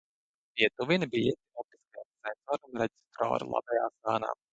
Pietuvini biļeti optiskajam sensoram reģistratora labajā sānā.